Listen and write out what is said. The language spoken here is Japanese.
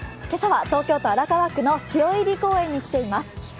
今朝は東京都荒川区の汐入公園に来ています。